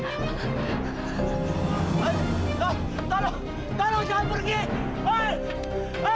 tolong tolong jangan pergi